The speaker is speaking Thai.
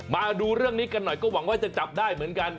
มาดูเรื่องนี้กันหน่อยก็หวังว่าจะจับได้เหมือนกัน